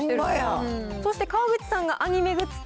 そして川口さんはアニメグッズと。